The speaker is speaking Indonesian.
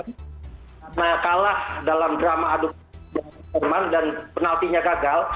karena kalah dalam drama adu jerman dan penaltinya gagal